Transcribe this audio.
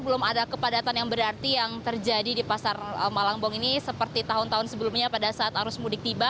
belum ada kepadatan yang berarti yang terjadi di pasar malangbong ini seperti tahun tahun sebelumnya pada saat arus mudik tiba